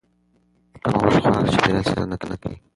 کم غوښه خوراک د چاپیریال ساتنه کوي.